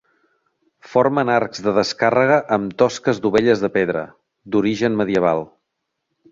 Formen arcs de descàrrega amb tosques dovelles de pedra, d'origen medieval.